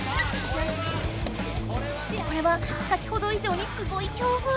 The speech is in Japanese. これは先ほど以上にすごい強風。